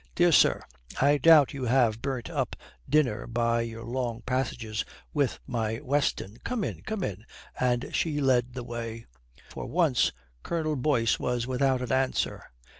"Dear sir, I doubt you have burnt up dinner by your long passages with my Weston. Come in, come in," and she led the way. For once Colonel Boyce was without an answer.